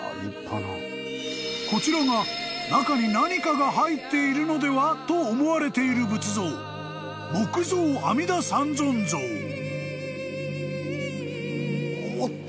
［こちらが中に何かが入っているのではと思われている仏像］思ってるよりおっきい。